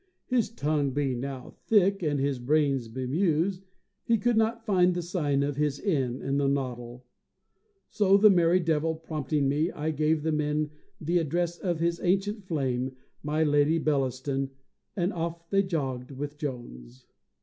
His tongue being now thick, and his brains bemused, he could not find the sign of his inn in his noddle. So, the merry devil prompting me, I gave the men the address of his ancient flame, my Lady Bellaston, and off they jogged with Jones.